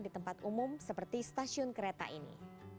di tempat umum seperti stasiun kereta ini